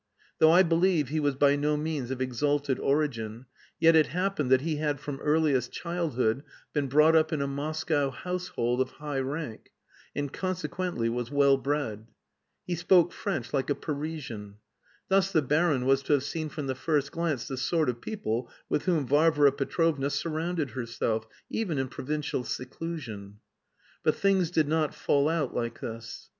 Though I believe he was by no means of exalted origin, yet it happened that he had from earliest childhood been brought up in a Moscow household of high rank, and consequently was well bred. He spoke French like a Parisian. Thus the baron was to have seen from the first glance the sort of people with whom Varvara Petrovna surrounded herself, even in provincial seclusion. But things did not fall out like this.